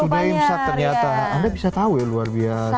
sudah imsak ternyata anda bisa tahu ya luar biasa